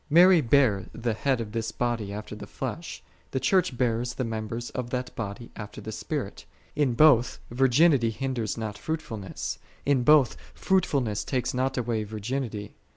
Mary bare the Head of This Body after the flesh, the Church bears the members of that Body after the Spirit. In both virginity hindeis not fruitfulness: in both fruitfulness takes not away virginity.